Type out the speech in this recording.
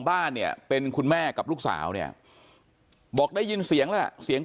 บ้านเนี่ยเป็นคุณแม่กับลูกสาวเนี่ยบอกได้ยินเสียงแล้วล่ะเสียง